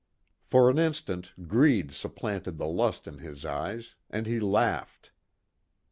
For an instant, greed supplanted the lust in his eyes, and he laughed.